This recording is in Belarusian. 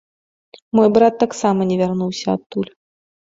Мой брат таксама не вярнуўся адтуль.